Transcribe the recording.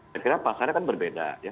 saya kira pasarnya kan berbeda